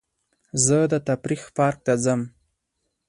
زه د تفریح پارک ته ځم.